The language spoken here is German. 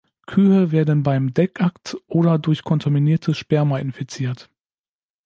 Kühe werden beim Deckakt oder durch kontaminiertes Sperma infiziert.